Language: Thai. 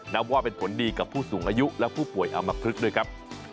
นับว่าเป็นผลดีกับผู้สูงอายุและผู้ป่วยอมพลึกด้วยครับ